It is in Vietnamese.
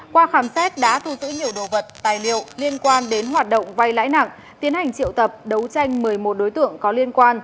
qua khám xét đã thu giữ nhiều đồ vật tài liệu liên quan đến hoạt động vay lãi nặng tiến hành triệu tập đấu tranh một mươi một đối tượng có liên quan